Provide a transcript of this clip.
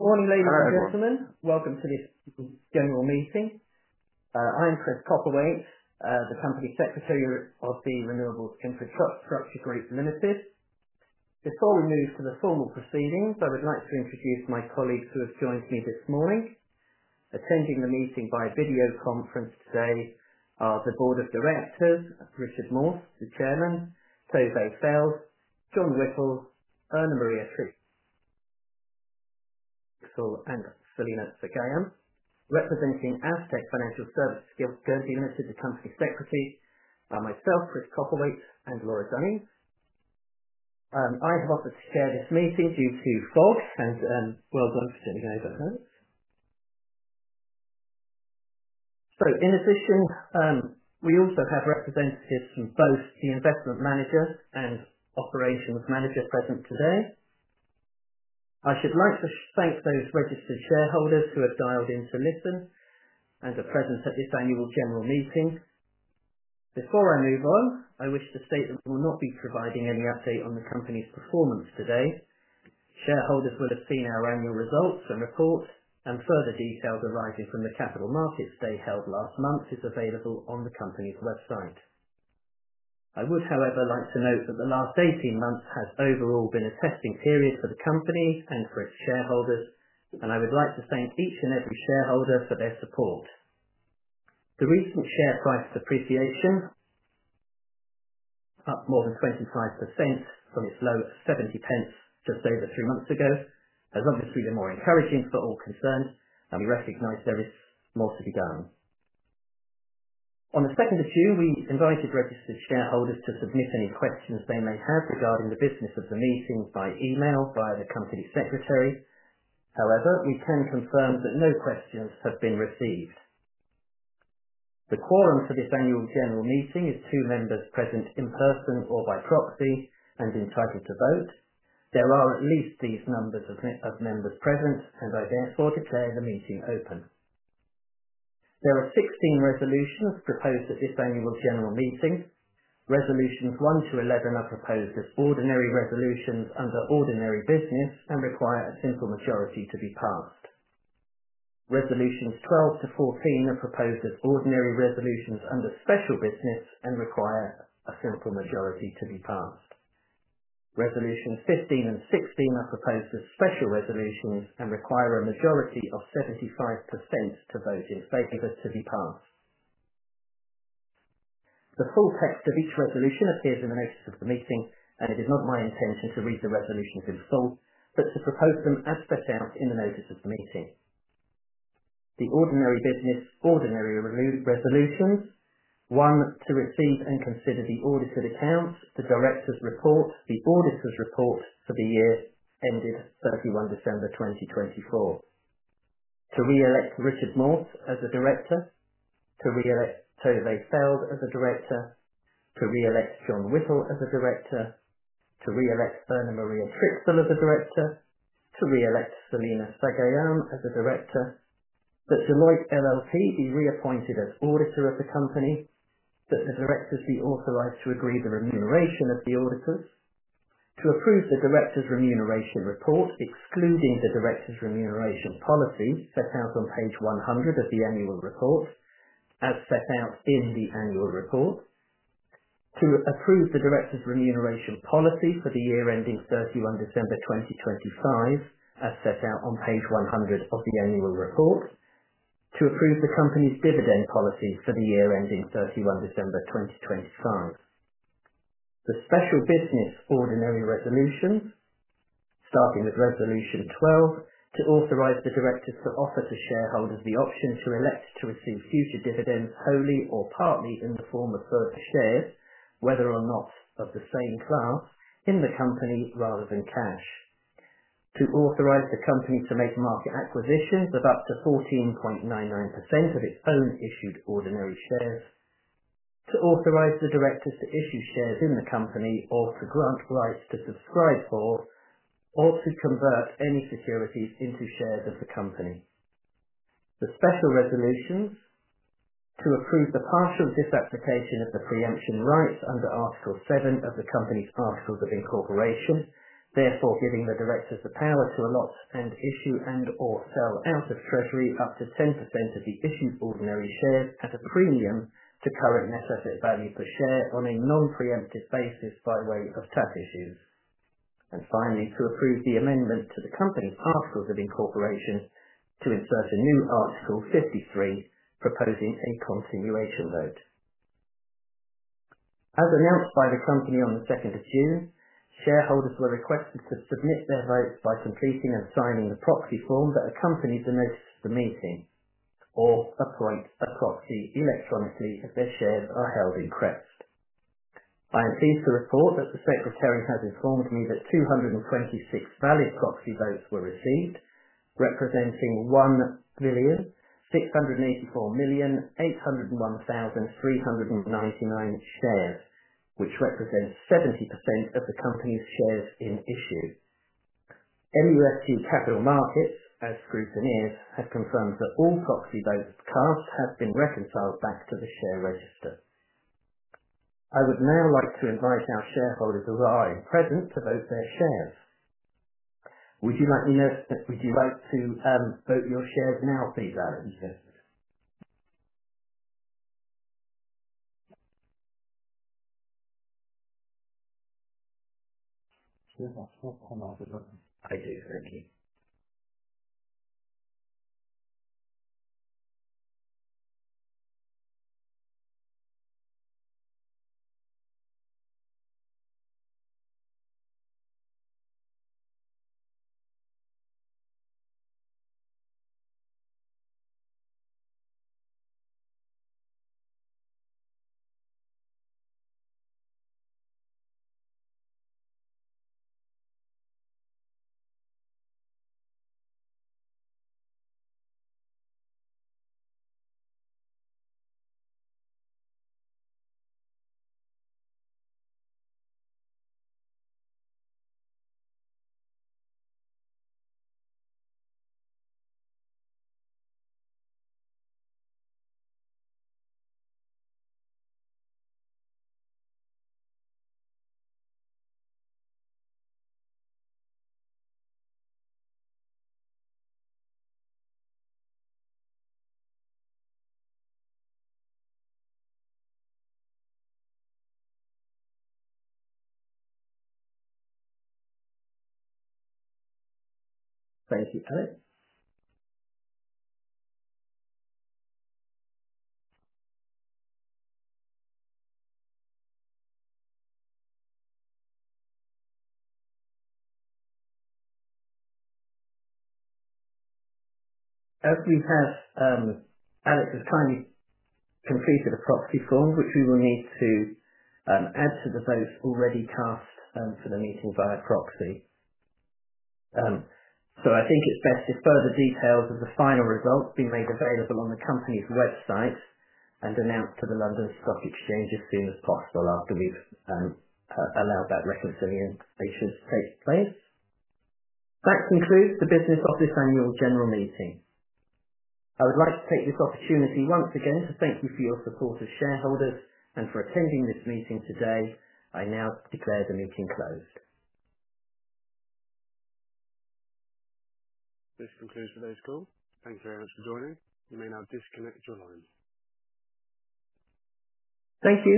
Morning, ladies and gentlemen. Welcome to this general meeting. I am Chris Crawford, the Company Secretary of The Renewables Infrastructure Group Limited. Before we move to the formal proceedings, I would like to introduce my colleagues who have joined me this morning. Attending the meeting by video conference today are the Board of Directors, Richard Morse, the Chairman, Tove Feld, John Whittle, Erna-Maria, and Selina Sagayam. Representing Aztec Financial Services the Company Secretary, are myself, Chris Crawford, and Laura Dunning. I have offered to chair this meeting due to fog, and well done for doing it overnight. In addition, we also have representatives from both the Investment Manager and Operations Manager present today. I should like to thank those registered shareholders who have dialed in to listen and are present at this annual general meeting. Before I move on, I wish to state that we will not be providing any update on the Company's performance today. Shareholders will have seen our annual results and report, and further details arising from the capital markets day held last month is available on the Company's website. I would, however, like to note that the last 18 months has overall been a testing period for the Company and for its shareholders, and I would like to thank each and every shareholder for their support. The recent share price appreciation, up more than 25% from its low of 0.70 just over three months ago, has obviously been more encouraging for all concerned, and we recognize there is more to be done. On the 2nd of June, we invited registered shareholders to submit any questions they may have regarding the business of the meeting by email via the Company Secretary. However, we can confirm that no questions have been received. The quorum for this annual general meeting is two members present in person or by proxy and entitled to vote. There are at least these numbers of members present, and I therefore declare the meeting open. There are 16 resolutions proposed at this annual general meeting. Resolutions 1 to 11 are proposed as ordinary resolutions under ordinary business and require a simple majority to be passed. Resolutions 12 to 14 are proposed as ordinary resolutions under special business and require a simple majority to be passed. Resolutions 15 and 16 are proposed as special resolutions and require a majority of 75% to vote in favour to be passed. The full text of each resolution appears in the notice of the meeting, and it is not my intention to read the resolutions in full, but to propose them as spelled out in the notice of the meeting. The ordinary business ordinary resolutions: one to receive and consider the audited accounts, the directors' report, the auditors' report for the year ended 31 December 2024. To re-elect Richard Morse as a director. To re-elect Tove Feld as a director. To re-elect John Whittle as a director. To re-elect Erna-Maria Trixl as a director. To re-elect Selina Sagayam as a director. That Deloitte LLP be reappointed as auditor of the company. That the directors be authorized to agree the remuneration of the auditors. To approve the directors' remuneration report, excluding the directors' remuneration policy set out on page 100 of the annual report, as set out in the annual report. To approve the directors' remuneration policy for the year ending 31 December 2025, as set out on page 100 of the annual report. To approve the company's dividend policy for the year ending 31 December 2025. The special business ordinary resolutions, starting with Resolution 12, to authorize the directors to offer to shareholders the option to elect to receive future dividends wholly or partly in the form of further shares, whether or not of the same class, in the company rather than cash, to authorize the company to make market acquisitions of up to 14.99% of its own issued ordinary shares, to authorize the directors to issue shares in the company or to grant rights to subscribe for or to convert any securities into shares of the company. The special resolutions to approve the partial disapplication of the preemption rights under Article 7 of the Company's Articles of Incorporation, therefore giving the directors the power to allot and issue and/or sell out of treasury up to 10% of the issued ordinary shares at a premium to current net asset value per share on a non-preemptive basis by way of tax issues. Finally, to approve the amendment to the Company's Articles of Incorporation to insert a new Article 53 proposing a continuation vote. As announced by the Company on the 2nd of June, shareholders were requested to submit their votes by completing and signing the proxy form that accompanies the notice of the meeting or appoint a proxy electronically if their shares are held in credit. I am pleased to report that the Secretary has informed me that 226 valid proxy votes were received, representing 1,684,801,399 shares, which represents 70% of the Company's shares in issue. MUSG Capital Markets, as scrutineers, have confirmed that all proxy votes cast have been reconciled back to the share register. I would now like to invite our shareholders who are in present to vote their shares. Would you like to vote your shares now, please, Alexander? I do, thank you. Thank you, Alex. As we have, Alex has kindly completed a proxy form, which we will need to add to the votes already cast for the meeting via proxy. I think it's best if further details of the final results be made available on the Company's website and announced to the London Stock Exchange as soon as possible after we've allowed that reconciliation to take place. That concludes the Business of the Annual General Meeting. I would like to take this opportunity once again to thank you for your support as shareholders and for attending this meeting today. I now declare the meeting closed. This concludes today's call. Thank you very much for joining. You may now disconnect your line. Thank you.